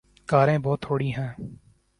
کاریں بہت تھوڑی تھیں۔